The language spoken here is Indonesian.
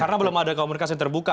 karena belum ada komunikasi terbuka